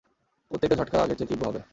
প্রত্যেকটা ঝটকা আগের চেয়ে তীব্র হবে।